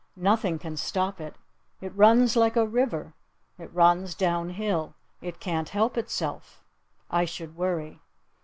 Nothing can stop it. It runs like a river. It runs down hill. It can't help itself. I should worry."